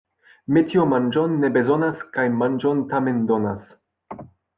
Metio manĝon ne bezonas kaj manĝon tamen donas.